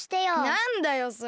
なんだよそれ。